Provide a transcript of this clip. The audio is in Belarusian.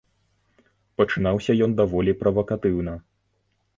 Пачынаўся ён даволі правакатыўна.